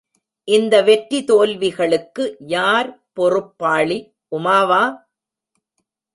இந்த வெற்றிதோல்விகளுக்கு யார் பொறுப்பாளி உமாவா?